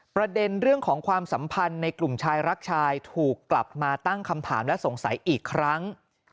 ประเด็นเรื่องของความสัมพันธ์ในกลุ่มชายรักชายถูกกลับมาตั้งคำถามและสงสัยอีกครั้ง